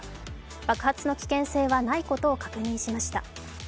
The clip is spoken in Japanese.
爆発の危険性はないことを確認しました。